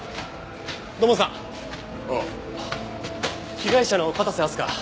被害者の片瀬明日香